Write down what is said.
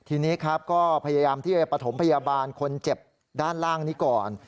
ทีนี้ครับก็พยายามที่จะปฐมพยาบาลคนเจ็บด้านล่างนี้ก่อน